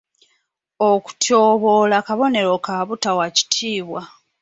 Okutyoboola kabonero ka butawa kitiibwa.